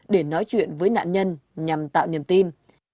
để nói chuyện với nạn nhân nhằm tạo niềm tin